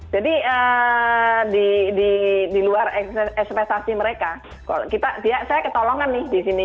jadi di luar ekspresasi mereka kalau kita dia saya ketolongan nih di sini